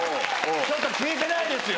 ちょっと聞いてないですよ。